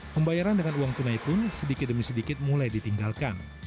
pembayaran dengan uang tunai pun sedikit demi sedikit mulai ditinggalkan